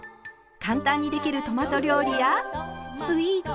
簡単にできるトマト料理やスイーツ。